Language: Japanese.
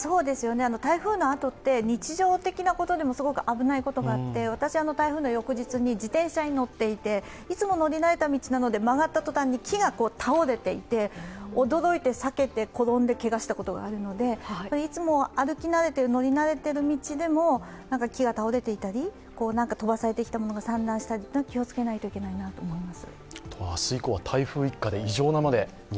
台風のあとって、日常的なことでもすごく危ないことがあって私、台風の翌日に自転車に乗っていていつも乗り慣れた道なので曲がったとたんに木が倒れていて驚いて避けて転んでけがしたことがあるので、いつも歩き慣れて、乗り慣れた道でも木が倒れていたり飛ばされてきたものが散乱したり、気を付けなければいけないなと思います。